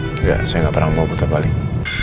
enggak saya gak pernah mau puter balik